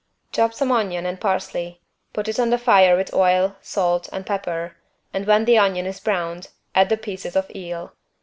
Chop some onion and parsley, put it on the fire with oil, salt, and pepper, and when the onion is browned, add the pieces of eel.